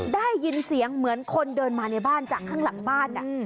ได้ยินเสียงเหมือนคนเดินมาในบ้านจากข้างหลังบ้าน